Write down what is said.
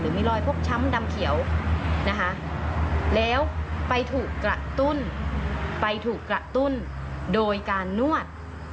มีรอยพกช้ำดำเขียวนะคะแล้วไปถูกกระตุ้นไปถูกกระตุ้นโดยการนวด